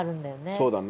そうだね。